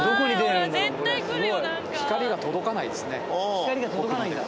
光が届かないんだ。